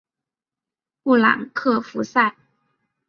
布朗克福塞。